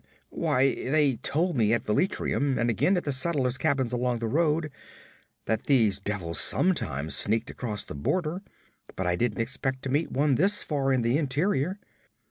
'Why, they told me at Velitrium and again at the settlers' cabins along the road, that these devils sometimes sneaked across the border, but I didn't expect to meet one this far in the interior.'